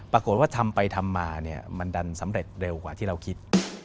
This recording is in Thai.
ปรากฏว่าทำไปทำมาเนี่ยมันดันสำเร็จเร็วกว่าที่เราคิด